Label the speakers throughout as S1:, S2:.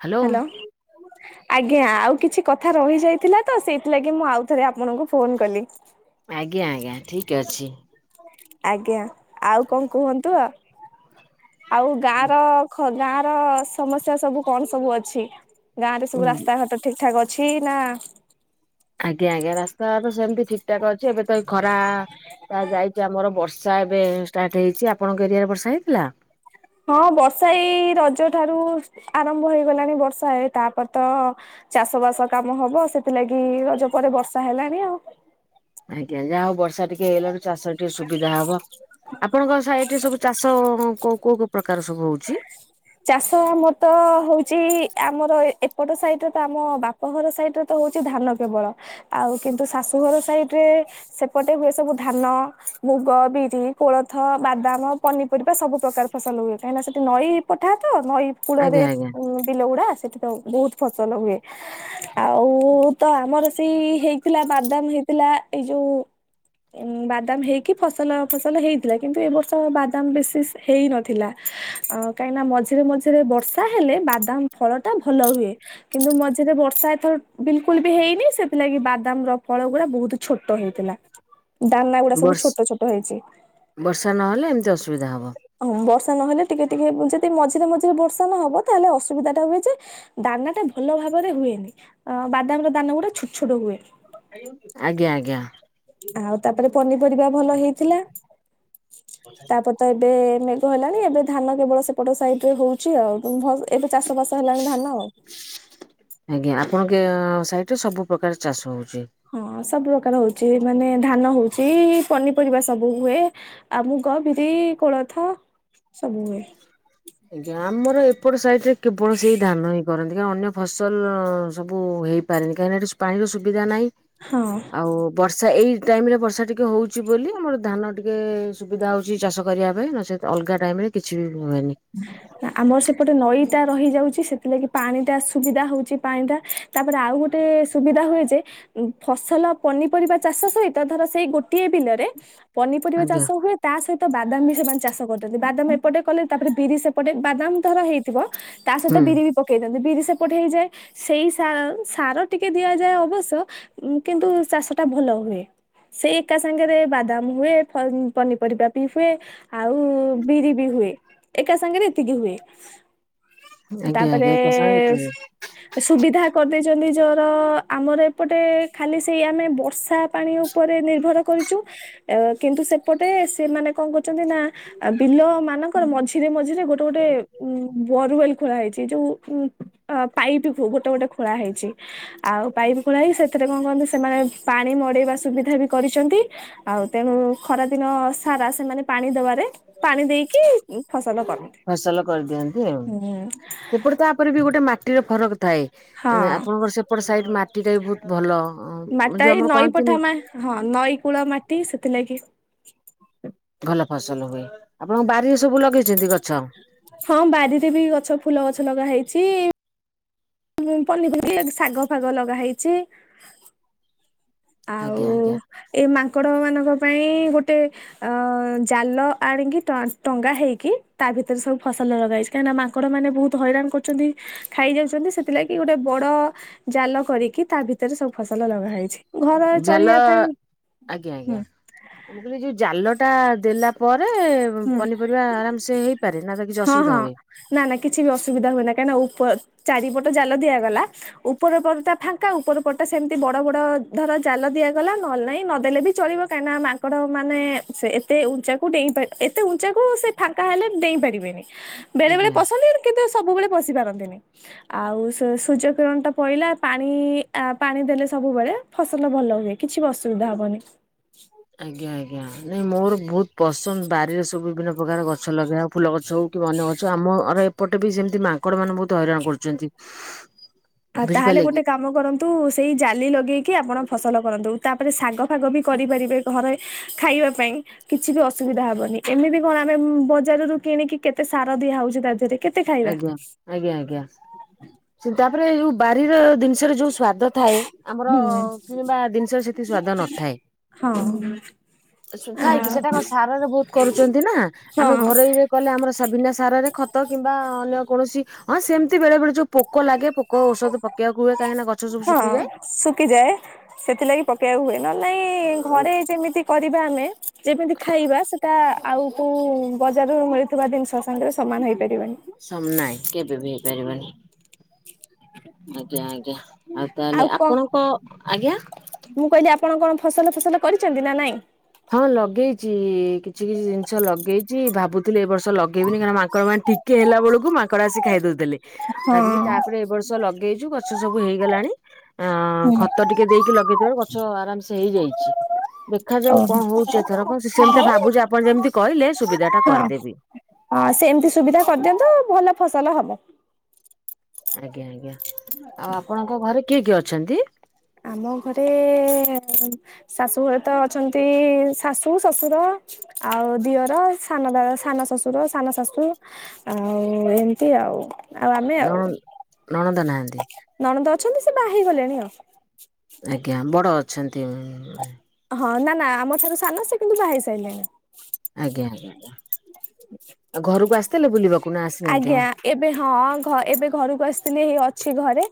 S1: Hello.
S2: ଆଜ୍ଞା ଆଉ କିଛି କଥା ରହିଯାଇଥିଲା ତ ସେଇଥିଲାଗି ମୁଁ ଆଉଥରେ ଆପଣଙ୍କୁ ଫୋନ କଲି।
S1: ଆଜ୍ଞା ଆଜ୍ଞା ଠିକ ଅଛି।
S2: ଆଜ୍ଞା ଆଉ କଣ କୁହନ୍ତୁ ଆ ଆଉ ଗାଁ ର ଗାଁ ର ସମସ୍ୟା ସବୁ କଣ ସବୁ ଅଛି ଗାଁ ରେ
S1: ଉଁ
S2: ସବୁ ରାସ୍ତାଘାଟ ଠିକ ଠାକ୍ ଅଛି ଛି ନା
S1: ଆଜ୍ଞା ଆଜ୍ଞା ରାସ୍ତା ତ ସେମିତି ଠିକ ଠାକ ଅଛି ଏବେ ତ ଏ ଖରା ତା ଯାଇଛି ଆମର ବର୍ଷା ଏ ହେଇଛି ଆପଣଙ୍କ ଏରଆରେ ବର୍ଷା ହେଇଥିଲା।
S2: ହଁ ବର୍ଷା ଏଇ ରଜ ଠାରୁ ଆରମ୍ଭ ହେଇଗଲାଣି ବର୍ଷା ତାପରେ ତ ଚାଷ ବାସ କାମ ହବ ସେଥିଲାଗି ରଜ ପରେ ବର୍ଷା ହେଲାଣି ଆଉ।
S1: ଆଜ୍ଞା ଯାହା ହଉ ବର୍ଷା ଟିକେ ହେଇଗଲାଣି। ଚାଷ ଟିକେ ସୁବିଧା ହବ ଆପଣଙ୍କ ସା ଟେ ସବୁ ଚାଷ କୋଉ କୋଉ କୋଉ ପ୍ରକାର ସବୁ ହଉଛି?
S2: ଚାଷ ଆମର ତ ହଉଛି ଆମର ଏପଟ ସାଇଡ ର ତ ଆମ ବାପଘର ସାଇଡ ର ତ ହଉଛି ଧାନ କେବଳ ଆଉ କିନ୍ତୁ ଶାଶୁଘର ସାଇଡରେ ସେପଟେ ହୁଏ ସବୁ ଧାନ ମୁଗ, ବିରି, କୋଳଥ, ବାଦାମ, ପନିପରିବା ସବୁ ପ୍ରକାର ଫସଲ ହୁଏ। କାଇଁନା ସେଠି ନଈ ପଠା ତ ନଈ
S1: ଆଜ୍ଞା
S2: କୂଳରେ
S1: ଆଜ୍ଞା
S2: ବିଲ ଗୁଡା ସେଠି ତ ବହୁତ ଫସଲ ହୁଏ। ଆଉ ତ ଆମର ସେଇ ହେଇଥିଲା, ବାଦାମ ହେଇଥିଲା ଏଇ ଯୋଉ ଉ ବାଦାମ ହେଇକି ଫସଲ ଫସଲ ହେଇଥିଲା କିନ୍ତୁ ଏ ବର୍ଷ ବାଦାମ ବିଶେଷ ହେଇ ନଥିଲା। ଅ କାହିଁକିନା ମଝିରେ ମଝିରେ ବର୍ଷା ହେଲେ ବାଦାମ ଫଳ ଟା ଭଲ ହୁଏ, କିନ୍ତୁ ମଝିରେ ବର୍ଷା ଏଥର ବିଲକୁଲ ବି ହେଇନି ସେଥିଲାଗି ବାଦାମ ର ଫଳ ଗୁଳା ବହୁତ ଛୋଟ ହେଇଥିଲା। ଦାନା ଗୁଡା ସବୁ
S1: ବର୍ଷ
S2: ଛୋଟ ଛୋଟ ହେଇଛି।
S1: ବର୍ଷା ନହେଲେ ଏମିତି ଅସୁବିଧା ହବ
S2: ଉଁ ବର୍ଷା ନହେଲେ ଟିକେ ଟିକେ ଯଦି ମଝିରେ ମଝିରେ ବର୍ଷା ନ ହବ ତାହେଲେ ଅସୁବିଧା ଟା ହୁଏ ଯେ ଦାନା ଟା ଭଲ ଭାବରେ ହୁଏନି। ବାଦାମ ର ଦାନ ଗୁଡା ଛୋଟ ଛୋଟ ହୁଏ।
S1: ଆଜ୍ଞା ଆଜ୍ଞା।
S2: ଆଉ ତାପରେ ପନିପରିବା ଭଲ ହେଇଥିଲା। ତାପରେ ତ ଏବେ ମେଘ ହେଲାଣି, ଏବେ ଧାନ କେବଳ ସେପଟ ସାଇଡରେ ହଉଛି ଆଉ ଉଁ ଭଉଏ ଏବେ ଚାଷ ବାସ ହେଲାଣି ଧାନ ଆଉ।
S1: ଆଜ୍ଞା ଆପଣଙ୍କ ସାଇଟରେ ସବୁପ୍ରକାର ଚାଷ ହଉ
S2: ହଁ ସବୁ ପ୍ରକାର ହଉଛି ମାନେ ଧାନ ହଉଛି, ପନିପରିବା ସବୁ ହୁଏ ଆଉ ମୁଗ, ବିରି, କୋଳଥ ସବୁ ହୁଏ।
S1: ଆଜ୍ଞା। ଆମର ଏପଟ ସାଇଡରେ କେବଳ ସେଇ ଧାନ ହିଁ କରନ୍ତି। କାରଣ ଅନ୍ୟ ଫସଲ ସବୁ ହେଇପାରେନି କାହିଁନା ଏଠି ପାଣିର ସୁବିଧା ନାହିଁ
S2: ହଁ।
S1: ଆଉ ବର୍ଷା ଏଇ ଟାଇମ ରେ ବର୍ଷା ଟିକେ ହଉଛି ବୋଲି ଆମର ଧାନ ଟିକେ ସୁବିଧା ହଉଛି ଚାଷ କରିବା ପାଇଁ, ନଚେତ୍ ଅଲଗା ଟାଇମରେ କିଛି ବି ହୁଏନି।
S2: ଆମର ସେପଟେ ନଈ ଟା ରହିଯାଉଚି ସେଥିଲାଗି ପାଣିଟା ସୁବିଧା ହଉଛି ପାଣିଟା, ତାପରେ ଆଉ ଗୋଟେ ସୁବିଧା ହୁଏ ଯେ ଫସଲ, ପନିପରିବା ଚାଷ ସହିତ ଧର ସେଇ ଗୋଟିଏ ବିଲରେ ପନିପରିବା
S1: ଆଜ୍ଞା।
S2: ଚାଷ ହୁଏ, ତା ସହିତ ବାଦାମ ବି ସେମାନେ ଚାଷ କରୁଚନ୍ତି। ବାଦାମ ଏପଟେ କଲେ ତାପରେ ବିରି ସେପଟେ। ବାଦାମ ଧର ହେଇଥିବ, ତା
S1: ହୁଁ
S2: ସହିତ ବିରି ବି ପକେଇ ଦିଅନ୍ତି। ବିରି ସେପଟେ ହେଇଯାଏ। ସେଇ ସା-ସାର ଟିକେ ଦିଆଯାଏ ଅବଶ୍ୟ କିନ୍ତୁ ଚାଷଟା ଭଲ ଲ ହୁଏ। ସେଇ ଏକା ସାଙ୍ଗରେ ବାଦାମ ହୁଏ, ପ-ପନିପରିବା ବି ହୁଏ, ଆଉ ବିରି ବି ହୁ ହୁଏ, ଏକା ସାଙ୍ଗରେ ଏତିକି ହୁଏ।
S1: ଆଜ୍ଞା
S2: ତାପରେ
S1: ଆଜ୍ଞା
S2: ସୁବିଧା କରିଦେଇଚ ଚନ୍ତି ଜର ଆମର ଏପଟେ ଖାଲି ସେଇ ଆମେ ବର୍ଷା ପାଣି ଉପରେ ନିର୍ଭର କରିଚୁ କିନ୍ତୁ ସେପଟେ ସିଏ ମାନେ କଣ କରୁଚନ୍ତି ନା ବିଲ ମାନଙ୍କର ମଝି ଝିରେ ମଝିରେ ଗୋଟେ ଗୋଟେ ଉଁ ବୋର୍ ୱେଲ୍ ଖୋଳା ହେଇଛି। ଯୋଉ ପାଇପି ଗୋଟେ ଗୋଟେ ଖୋଳା ହେଇଛି ଆଉ ପାଇପ ପାଇପ୍ ଖୋଳା ହେଇକି ସେଥିରେ କଣ କରନ୍ତି, ସେମାନେ ପାଣି ମଡେଇବା ସୁବିଧା ବି କରିଚନ୍ତି ଆଉ ତେଣୁ ଖରାଦି ଦିନ ସାରା, ସେମାନେ ପାଣି ଦବାରେ ପାଣି ଦେଇକି ଫସଲ କରନ୍ତି
S1: ଫସଲ କରିଦିଅନ୍ତି ଆଉ।
S2: ହୁଁ
S1: ସେପଟେ ତାପରେ ବି ଗୋଟେ ମାଟିର ଫରକ ଥାଏ।
S2: ହଁ।
S1: ଆପଣଙ୍କର ସେପଟ ସାଇଡ଼ ମାଟିଟା ବି ବହୁତ ଭଲ।
S2: ମାଟିଟା
S1: ଯୋଉ
S2: ଏଇ
S1: ଆମର
S2: ନଈ
S1: କହନ୍ତିନି
S2: ପଠା ମା ହଁ। ନଈ କୂଳ ମାଟି ସେଥିଲାଗି
S1: ଭଲ ଫସଲ ହୁଏ। ଆପଣଙ୍କ ବାରିରେ ସବୁ ଲଗେଇଛନ୍ତି ଗଛ?
S2: ହଁ ବାରିରେ ବି ଗଛ ଫୁଲ ଗଛ ଲଗା ହେଇଛି ହୁଁ ପନିପରିବା ଶାଗ ଫାଗ ଲଗା ହେଇଛି ଆଉ
S1: ଆଜ୍ଞା ଆଜ୍ଞା।
S2: ଏଇ ମାଂ ଙ୍କଡ଼ ମାନଙ୍କ ପାଇଁ ଗୋଟେ ଅ ଜାଲ ଆଣିକି ଟଣା ଟଙ୍ଗା ହେଇକି ତା ଭିତରେ ସବୁ ଫସଲ ଲଗାହେଇଛି, କାହିଁନା ମାଙ୍କଡ ମାନେ ବହୁତ ହଇରାଣ କରୁଛନ୍ତି ଖାଇଯାଉଛନ୍ତି, ସେଥି ଥିଲାଗି ଗୋଟେ ବଡ ଜାଲ କରିକି ତା ଭିତରେ ସବୁ ଫସଲ ଲଗା ହେଇଛି। ଘର
S1: ଜାଲ
S2: ଚଳିବା ପାଇଁ
S1: ଆଜ୍ଞା
S2: ହୁଁ
S1: ଆଜ୍ଞା। ମୁଁ କହିଲି ଯୋଉ ଜାଲଟା ଦେଲା ପରେ
S2: ହୁଁ
S1: ପନିପରିବା ଆରାମ ସେ ହେଇପାରେ, ନା ତ କିଛି
S2: ହଁ ହଁ
S1: ଅସୁବିଧା ହୁଏ?
S2: ନା ନା କିଛି ବି ଅସୁବିଧା ହୁଏ ନା, କାହିଁକ ନା ଉପ ଚାରିପଟ ଜାଲ ଦିଆଗଲା, ଉପର ପଟଟା ଫାଙ୍କା ଉପର ପଟା ସେମିତି ବଡ ବଡ ଧର ଜାଲ ଦି ଦିଆଗଲା ନ ନାଇଁ, ନଦେଲେ ବି ଚଳିବ କାହିଁକିନା ମାଙ୍କଡ ମାନେ ଏତେ ଉ କୁ ଡେଇଁ ପ ଏତେ ଉଞ୍ଚାକୁ ସେ ଫାଙ୍କା ହେଲେ ଡେଇପାରିବେନି। ବେଳେ ବେଳେ
S1: ଆଜ୍ଞା।
S2: ପଶନ୍ତି କିନ୍ତୁ ସବୁବେଳେ ପଶି ପାରନ୍ତି ଆଉ ସୂର୍ଯ୍ୟ କିରଣ ଟା ପାଇଲା, ପାଣି, ପାଣି ଦେଲେ ସବୁବେଳେ ଫସ ଭଲ ହୁଏ, କିଛି ବି ଅସୁବିଧା ହବନି।
S1: ଆଜ୍ଞା ଆଜ୍ଞା, ନାଇଁ ମୋର ବହୁତ ପସନ୍ଦ ବାରିରେ ସବୁ ବିଭିନ୍ନ ପ୍ରକାର ଗଛ ଲଗେଇବା, ଫୁଲ ଗଛ ହଉ, କି ଅନ୍ୟ ଗଛ, ଆମର ଏପଟେ ବି ସେମିତି ମାଙ୍କଡ଼ ମାନେ ବହୁତ ହଇରାଣ କରୁଛନ୍ତି।
S2: ଆ ତାହେଲେ
S1: ବୁଝିପାରିଲେ କି?
S2: ଗୋଟେ କାମ କରନ୍ତୁ ସେଇ ଜାଲି ଲଗେଇକି କି ଆପଣ ଫସଲ କରନ୍ତୁ, ତାପରେ ଶାଗ ଫାଗ ବି କରିପାରିବେ ଘରେ ଖାଇବା ପାଇଁ, କିଛି ବି ଅସୁବିଧ ସୁବିଧା ହବନି, ଏମିତି କଣ ଆମେ ବଜାର ରରୁ କିଣିକି, କେତେ ସାର ଦିଆ ହଉଛି ତା ଦେହରେ କେତେ ଖାଇବା।
S1: ଆଜ୍ଞା, ଆଜ୍ଞା ଆଜ୍ଞା, ତାପରେ ଯୋଉ ବାରିର ଜିନିଷରେ ଯୋଉ ସ୍ଵାଦ ଥାଏ, ଆମର କିଣିବା ଜିନିଷରେ ସେତିକି ସ୍ଵାଦ ନଥାଏ।
S2: ହଁ [unintelligible]
S1: ଥାଇକି ସେଇଟା
S2: ଆଉ
S1: ଆମ ସାରରେ ବହୁତ କରୁଛନ୍ତି ନା, ଆମେ
S2: ହଁ
S1: ଘରେୋଇରେ କଲେ ଆମର ବିନା ସାରରେ ଖତ କିମ୍ବା ଅନ୍ୟ କୌଣସି, ହଁ ସେମିତି ବେଳେ ବେଳେ ଯୋଉ ପୋକ ଲାଗେ, ପୋକ ଔଷଧ ପକେଇବାକୁ ହୁଏ। କାହିଁକି ନା ଗଛ ସବୁ
S2: ହଁ
S1: ଶୁଖିଯାଏ।
S2: ଶୁଖିଯାଏ, ସେଥିଲାଗି ପକେଇବାକୁ ହୁଏ ନହଲେ ନାଇଁ ଘରେ ଯେମିତି କରି ଆମେ ଯେମିତି ଖାଇବା, ସେଟା ଆଉ କ ବଜାରରୁ ମିଳୁଥିବା ଜିନିଷ ସାଙ୍ଗରେ ସମାନ ହେଇ
S1: ସ ନହି କେବେ ବି ହେଇପାରିବନି। ଆଜ୍ଞା ଆଜ୍ଞା, ଆଉ ତାହେଲେ ଆପଣଙ୍କ, ଆଜ୍ଞା
S2: ମୁଁ କହିଲି ଆପଣ କଣ ଫସଲ ଫସଲ କରିଛନ୍ତି ନା ନାଇଁ?
S1: ହଁ ଲଗେଇଛି କିଛି କିଛି ଜିନିଷ ଲଗେଇଛି, ଭାବୁଥିଲି ଏ ବର୍ଷ ସ ଲେଇନି କହିଣକ ମାଙ୍କଡ ମାନେ ଟିକେ ହେଲା ବେ ଳକୁ ସକାଳେ ଆସି ଖାଇଦଉ, ଭାବିଲି
S2: ହଁ।
S1: ତାପରେ ଏ ବର୍ଷ ଲଗେଇଛୁ ଗଛ ସବୁ ହେଇଗଲାଣି ଅ ଖତ ଟିକେ ଦେଇକି ଲଗେଇଥିବ, ଗଛ ଆରାମସେ ହେଇଯାଇଛି, ଦେଖାଯାଉ
S2: ଓହୋ
S1: ହଉଛିଥର କ ସେ ସେମିତି ଭାବୁଛି ଆପଣ ଯେମିତି କହିଲେ ସୁବିଧା ଟା
S2: ହଁ
S1: କରିଦେବି
S2: ହଁ ସେମିତି ସୁବିଧା କରିଦିଅନ୍ତୁ, ଭଲ ଫସଲ ହବ।
S1: ଆଜ୍ଞା ଆଜ୍ଞା, ଆଉ ଆପଣଙ୍କ ଘରେ କିଏ କିଏ ଅଛନ୍ତି
S2: ଆମ ଘରେ, ଶାଶୁ ଘରେ ତ ଅଛନ୍ତି ଶାଶୁ ଶ୍ୱଶୁର ଆଉ ଦିଅର, ସାନ ଦା, ସାନ ଶଶୁର, ସାନ ଶାଶୁ ଆଉ ଏମିତି ଆଉ ଆଉ ଆମେ ଆଉ
S1: ନଣ ନଣନ୍ଦ ନାହାନ୍ତି?
S2: ନଣନ୍ଦ ଅଛନ୍ତି ସେ ବା ହେଇଗଲେଣି ଆଉ
S1: ଆଜ୍ଞା, ବଡ ଅଛନ୍ତି।
S2: ହଁ ନା ନା, ଆମ ଠାରୁ ସାନ ସେ କିନ୍ତୁ ବାହା ହେଇ ସାରିଲେଣି।
S1: ଆଜ୍ଞା, ଆଜ୍ଞା, ଆଜ୍ଞା। ଆସିନାହାନ୍ତି ଆଉ?
S2: ଆଜ୍ଞା, ଏବେ ହଁ ଏବେ ଘରକୁ ଆସିଥିଲି, ଏଇ ଅଛି ଘରେ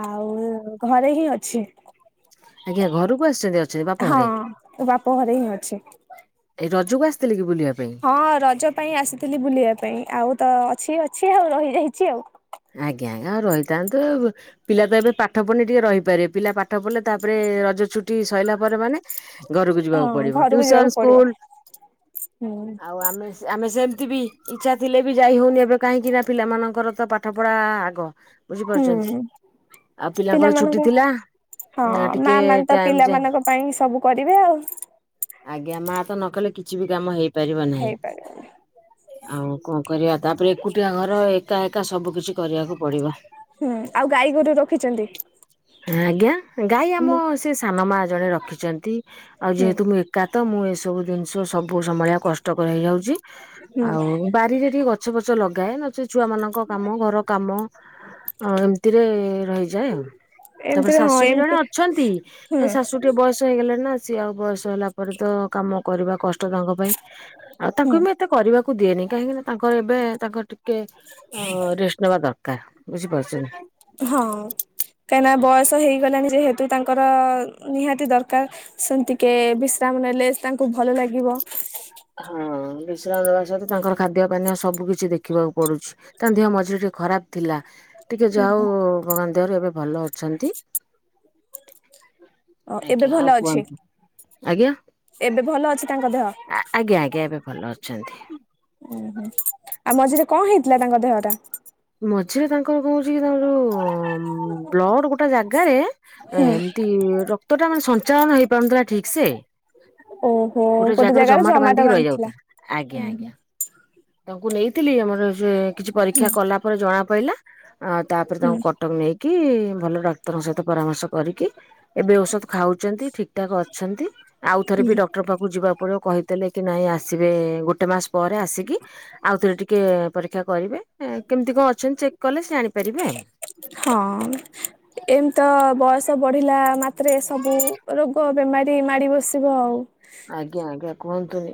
S2: ଆଉ ଘରେ ହିଁ ଅଛି।
S1: ଆଜ୍ଞା, ଘରକୁ ଆସିଛନ୍ତି? ଅଛନ୍ତି ବାପ
S2: ହଁ
S1: ଘରେ
S2: ମୋ ବାପ ଘରେ ହିଁ ଅଛି।
S1: ଯୋଗ [unintelligible] ଆସିଥିଲେ କି? ବୁଲିବା ପାଇଁ?
S2: ହଁ ରଜ ପାଇଁ ଆସିଥିଲି ବୁଲିବା ପାଇଁ ଆଉ ତ ଅଛି ଅଛି ଆଉ ରହିଯାଇଛି ଆଉ
S1: ଆଜ୍ଞା ଆଜ୍ଞା, ଆଉ ରହିଥାନ୍ତୁ ପିଲା ତ ଏବେ ପାଠ ପଢନି ଟିକେ ରହିପାରିବେ, ପିଲା ପାଠ ପଢିଲେ ତାପରେ ରଜ ଛୁଟି ସରିଲା ପରେ ମାନେ ଘରକୁ ଯିବାକୁ
S2: ହଁ
S1: ପଡିବ,
S2: ଘରକୁ
S1: ଟିଉସନ,
S2: ଯିବାକୁ ପଡିବ
S1: ସ୍କୁଲ
S2: ହୁଁ
S1: ଆଉ ଆମେ ଆମେ ସେମିତି ବି ଇଚ୍ଛା ଥିଲେ ବି ଯାଇ ହଉନି, ଏବେ କାହିଁକି ନା ପିଲାମାନଙ୍କର ତ ପାଠପଢ଼ା ଆଗ ବୁଝିପାରୁଛନ୍ତି
S2: ହୁଁ
S1: ଆଉ ପିଲାଙ୍କର ଛୁଟି
S2: ପିଲାମାନଙ୍କ
S1: ଥିଲା।
S2: ହଁ ମା
S1: ଟିକେ
S2: ମାନେ ତ,
S1: ଟାଇମ ଯାଏ
S2: ପିଲାମାନଙ୍କ ପାଇଁ ସବୁ କରିବେ ଆଉ
S1: ଆଜ୍ଞା, ମା ତ ନ କଲେ କିଛି ବି କାମ ହେଇପାରିବ ନାହିଁ,
S2: ହେଇପାରିବନି
S1: ଆଉ କଣ କରିବା? ତାପରେ ଏକୁଟିଆ ଘର ଏକା ଏକା ସବୁକିଛି କରିବାକୁ ପଡ଼ିବ।
S2: ହୁଁ ଆଉ ଗାଈ ଗୋରୁ ରଖିଛନ୍ତି?
S1: ଆଜ୍ଞା ଗାଈ ଆମ
S2: ହୁଁ
S1: ସେ ସାନ ମା ଜଣେ ରଖିଛନ୍ତି ଆଉ
S2: ହୁଁ
S1: ଯେହେତୁ ମୁଁ ଏକା ତ ମୁଁ ଏସବୁ ଜିନିଷ ସବୁ ବହୁତ ସମ୍ଭାଳିଆ କଷ୍ଟକର ହେଇଯାଉଚି,
S2: ହୁଁ
S1: ଆଉ ବାରିରେ ଟିକେ ଗଛ ଫଛ ଲଗାଏ ନଚ ଛୁଆ ମାନଙ୍କ କାମ ଘର କାମ ଏମିତିରେ ରହିଯାଏ ଆଉ। ତାପରେ
S2: ଏମିତିରେ ହଁ
S1: ଶାଶୁ ବି ଜଣେ
S2: ଏମିତି
S1: ଅଛନ୍ତି
S2: ହୁଁ
S1: ଏ ଶାଶୁ ଟିକେ ବୟସ ହେଇଗଲେଣି ନା ସିଏ ଆଉ ବୟସ ହେଲା ପରେ ତ କାମ କରିବା କଷ୍ଟ ତାଙ୍କ ପାଇଁ ଆଉ
S2: ହୁଁ
S1: ତାଙ୍କୁ ବି ଏତେ କରିବାକୁ ଦିଏନି କାହିଁକି ନା ତାଙ୍କର ଏବେ ତାଙ୍କର ଟିକେ ଆ ରେଷ୍ଟ ନବା ଦରକାର ବୁଛି
S2: ହଁ।
S1: ପାରୁଚନ୍ତି।
S2: କାହିଁକିନା ବୟସ ହେଇଗଲାଣି ଯେହେତୁ ତାଙ୍କର ନିହାତି ଦରକାର ସେମିତିକେ ବିଶ୍ରାମ ନେଲେ ତା ଙ୍କୁ ଭଲ ଲାଗିବ।
S1: ଆଶ୍ରାମ ଦେବା ସହିତ ତାଙ୍କର ଖାଦ୍ୟ ପାନୀୟ ସବୁ କିଛି ଦେଖିବାକୁ ପଡୁଚି। ତା ଦେହ ମଝିରେ ଟିକେ ଖରାପ ଥିଲା ଟିକେ ଯାଉ ଭଗବାନ ଦେହରୁ ଏବେ ଭଲ ଅଛନ୍ତି।
S2: ଅ ଏବେ
S1: ଆଜ୍ଞା ଆଉ
S2: ଭଲ ଅଛି
S1: କୁହନ୍ତୁ ଆଜ୍ଞା
S2: ଏବେ ଭଲ ଅ ତାଙ୍କ ଦେହ ଓହୋ।
S1: ଆଜ୍ଞା ଆଜ୍ଞା ଏବେ ଭଲ ଅଛନ୍ତି।
S2: ଆଉ ମଝିରେ କଣ ହେଇଥିଲା ତାଙ୍କ ଦେହଟା?
S1: ମଝିରେ ତାଙ୍କର କହୁଚି କି ତାଙ୍କର ଯଉଁ ବ୍ଲଡ଼ ଗୋଟେ ଜାଗାରେ ଏ ଏମତି ରକ୍ତ ଟା ମାନେ ସଞ୍ଚାଳନ ହେଇ ପାରୁନଥିଲା ଠିକ ସେ। ଗୋଟେ ଜାଗାରେ ଜମାଟ ବାନ୍ଧିକି ରହିଯାଉଥିଲା ଆଜ୍ଞା
S2: ହୁଁ
S1: ଆଜ୍ଞା। ତାଙ୍କୁ ନେଇଥିଲି ଆମର ସେ କିଛି ପରୀକ୍ଷା କଲା ପରେ ଜଣା ପଇଲା। ଆଉ ତାପରେ ତାଙ୍କୁ
S2: ହୁଁ
S1: କଟକ ନେଇକି ଭଲ ଡାକ୍ତରଙ୍କ ସହ ପରାମର୍ଶ କରିକି ଏବେ ଔଷଧ ଖାଉଚନ୍ତି, ଠିକ୍ ଠାକ୍ ଅଛନ୍ତି, ଆଉ ଥରେ ବି ଡକ୍ତର ଡକ୍ଟର ପାଖକୁ ଯିବା ପରେ କହିଦେଲେ କି ନାଇଁ ଆସ ଆସିବେ ଗୋଟେ ମାସ ପରେ ଆସିକି ଆଉଥରେ ଟିକେ ପରୀକ୍ଷା କରିବେ। କେମିତି କଣ ଅଛନ୍ତି ଚେକ୍ କଲେ ସେ ଜାଣିପାରିବେ ଆଉ।
S2: ହଁ ଏମ ତ ବସ୍ ତ ବଢିଲା ମାତ୍ରେ ସବୁ ରୋଗ ବେମାରୀ ମାଡ଼ି ବସିବ ଆଉ।
S1: ଆଜ୍ଞା ଆଜ୍ଞା କୁହନ୍ତୁନି।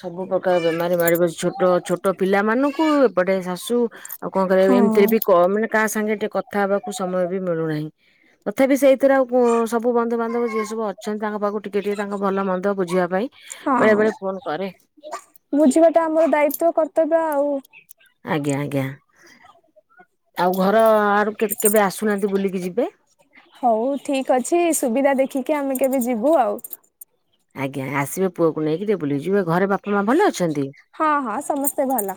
S1: ସବୁ ପ୍ରକାର ବେମାରୀ ମାରିବସି ଛୋଟ ଛୋଟ ପିଲା ମାନଙ୍କୁ ଏପଟେ ଶାଶୁ ଆଉ କଣ କରିବା ଏମ ତିରେ
S2: ହଁ
S1: ବି କ ମାନେ କାହା ସାଙ୍ଗେ ଟିକେ କଥା ହେବାକୁ ସମୟ ବି ମିଳୁନାହିଁ। ତଥାପି ସେଇଥିରେ ଆଉ ସବୁ ବନ୍ଧୁ ବାନ୍ଧବ ଯିଏ ସବୁ ଅଛନ୍ତି ତାଙ୍କ ପାଖକୁ ଟିକେ ଟିକେ ତାଙ୍କ ଭଲ ମନ୍ଦ ବୁଝିବା ପାଇଁ
S2: ହଁ
S1: ବେଳେ ବେଳେ ଫୋନ କରେ
S2: ବୁଝିବାଟା ଆମର ଦାୟିତଵ କର୍ତ୍ତବ୍ୟ। ହ ଆଉ।
S1: ଆଜ୍ଞା ଆଜ୍ଞା। ଆଉ ଘର ଆଡକୁ କେବ କେବେ ଆସୁନାହାନ୍ତି ବୁଲିକି ଯିବେ।
S2: ହଉ ଠିକ ଅଛି ସୁବିଧା ଦେଖିକି ଆମେ କେବେ ଯିବୁ ଆଉ।
S1: ଆଜ୍ଞା ଆସିବେ ପୁଅକୁ ନେଇକି ଟିକେ ବୁଲିକିଯିବେ। ଘରେ ବାପା ବାପ ମା ଭଲ ଅଛନ୍ତି?
S2: ହଁ ହଁ ସମସ୍ତେ ଭଲ।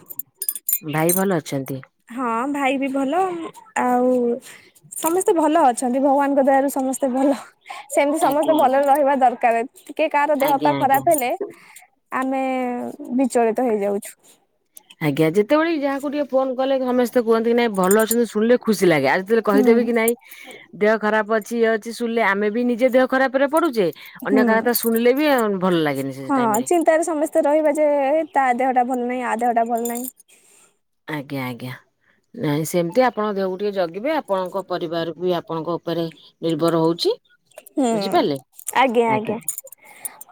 S1: ଭାଇ ଭଲ ଅଛନ୍ତି?
S2: ହଁ ଭାଇ ବି ଭଲ ଆଉ ସମସ୍ତେ ଭଲ ଅଛନ୍ତି ଭଗବାନଙ୍କ ଦୟାରୁ। ସମସ୍ତେ ଭଲ। ସେମିତି
S1: ଆଜ୍ଞା
S2: ସମସ୍ତେ ଭଲରେ
S1: ଆଜ୍ଞା
S2: ରହିବା ଦରକାର ଟିକେ କାହାର ଦେହ
S1: ଆଜ୍ଞା
S2: ପା
S1: ଆଜ୍ଞା
S2: ଖରାପ ହେଲେ ଆମେ ବିଚଳିତ ହେଇଯାଉଚୁ।
S1: ଆଜ୍ଞା ଯେତେବେଳେ ଯାହାକୁ ଟିକେ ଫୋନ କଲେ ସମସ୍ତେ କୁହନ୍ତି କି ନାଇଁ ଭଲ ଅଛନ୍ତି ଶୁଣିଲେ ଖୁସି ସି ଲାଗେ ଆଜିେଲେ
S2: ହୁଁ
S1: କହିଦେବି କି ନାଇଁ ଦେହ ଖରାପ ଅ ଇଏ ଅଛି ଶୁଣିଲେ ଆମେ ବି ନିଜେ ଦେହ ଖରାପ ରେ ପଡୁଛେ। ଅନ୍ୟ
S2: ହୁଁ
S1: କାହା କଥା ଶୁଣିଲେ ବି ଭଲ ଲାଗେନି ସେ ଟାଇମ
S2: ହଁ
S1: ରେ
S2: ଚିନ୍ତାରେ ସମସ୍ତେ ରହିବା ଯେ ତା ଦେହଟା ଭଲ ନହିାଇଁ ଆ ଦେହଟା ଭଲ ନାହିଁ।
S1: ଆଜ୍ଞା ଆଜ୍ଞା ନାଇଁ ସେମତି ଆପଣଙ୍କ ଦେହକୁ ଟିକେ ଜଗିବେ ଆପଣଙ୍କ ପରିବାର ବି ଆପଣଙ୍କ ଉପରେ ନିର୍ଭର ହଉଚି।
S2: ହୁଁ ଆଜ୍ଞା ଆଜ୍ଞା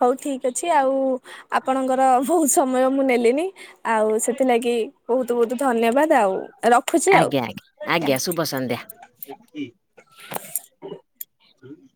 S2: ହଉ ଠିକ ଅଛି ଆଉ। ଆପଣଙ୍କର ବହୁତ ସମୟ ମୁଁ ନେଲିନି, ଆଉ ସେଥିଲାଗି ବହୁତ ବହୁତ ଧନ୍ୟବାଦ ଆଉ। ରଖୁଛି
S1: ଆଜ୍ଞା ଆଜ୍ଞା
S2: ଆଉ।
S1: ଆଜ୍ଞା ଶୁଭ ସନ୍ଧ୍ୟା। [inaudible]